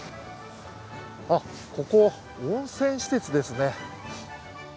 ここ、温泉施設ですね。